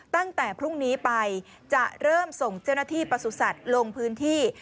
ตั้งแต่พรุ่งนี้ไปจะเริ่มส่งเจ้าหน้าที่ประสุทธิ์ลงพื้นที่